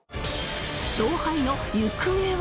勝敗の行方は